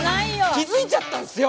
気づいちゃったんですよ。